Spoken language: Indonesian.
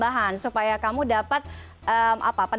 banyak banget bukan aja